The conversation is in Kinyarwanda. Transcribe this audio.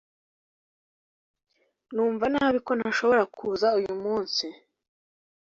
numva nabi ko ntashobora kuza uyu munsi